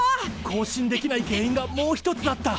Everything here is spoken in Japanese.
交信できない原因がもう一つあった。